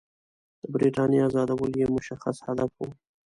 د برټانیې آزادول یې مشخص هدف وو.